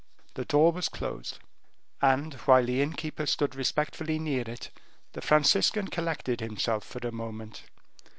The door was then closed; and, while the innkeeper stood respectfully near it, the Franciscan collected himself for a moment.